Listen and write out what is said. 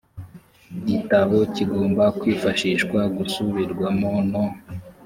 gitabo kigomba kwifashishwa gusubirwamo no